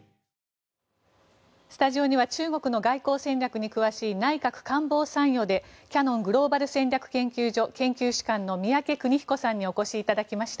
スタジオには中国の外交戦略に詳しい内閣官房参与でキヤノングローバル戦略研究所研究主幹の宮家邦彦さんにお越しいただきました。